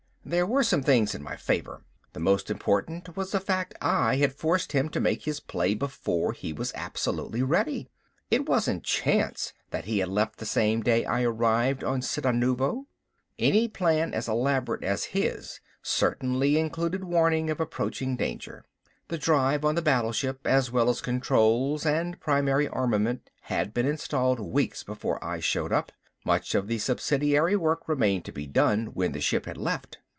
There were some things in my favor. The most important was the fact I had forced him to make his play before he was absolutely ready. It wasn't chance that he had left the same day I arrived on Cittanuvo. Any plan as elaborate as his certainly included warning of approaching danger. The drive on the battleship, as well as controls and primary armament had been installed weeks before I showed up. Much of the subsidiary work remained to be done when the ship had left.